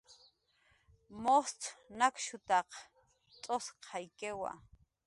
Mujcx nakshutaq tz'usqaykiwa